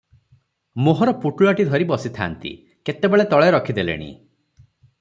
ମୋହର ପୁଟୁଳାଟି ଧରି ବସିଥାନ୍ତି, କେତେବେଳେ ତଳେ ରଖି ଦେଲେଣି ।